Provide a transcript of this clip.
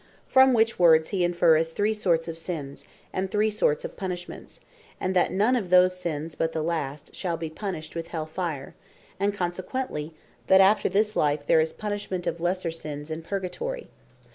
From which words he inferreth three sorts of Sins, and three sorts of Punishments; and that none of those sins, but the last, shall be punished with hell fire; and consequently, that after this life, there is punishment of lesser sins in Purgatory.